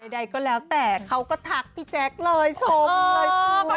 ใดก็แล้วแต่เขาก็ทักพี่แจ๊คเลยชมเลย